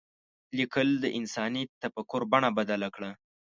لیکل د انساني تفکر بڼه بدله کړه.